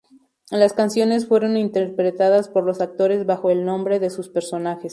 Las canciones fueron interpretadas por los actores bajo el nombre de sus personajes.